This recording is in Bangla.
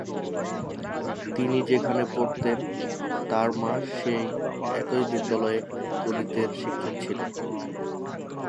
তিনি যেখানে পড়তেন, তাঁর মা সেই একই বিদ্যালয়ে গণিতের শিক্ষক ছিলেন।